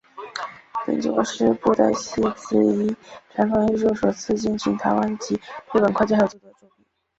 本作是布袋戏此一传统艺术首次进行台湾及日本跨界合作的作品。